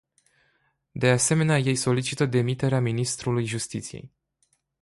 De asemenea ei solicită demiterea ministrului justiției.